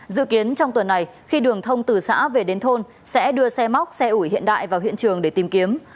dự kiến trong tuần này khi đường thông từ xã về đến thôn sẽ đưa xe móc xe ủi hiện đại vào hiện trường để tìm kiếm